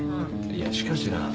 いやしかしなあ。